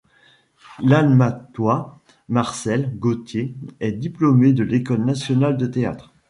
L'Almatois Marcel Gauthier est diplômé de l’École nationale de théâtre.